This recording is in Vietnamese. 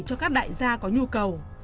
cho các đại gia có nhu cầu